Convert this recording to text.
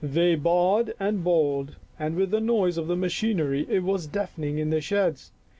They baa ed and bawled, and with the noise of the machinery it was deafening in the sheds.